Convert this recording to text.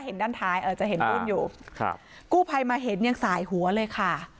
เห็นด้านท้ายจะเห็นรุ่นอยู่ครับกู้ภัยมาเห็นยังสายหัวเลยค่ะ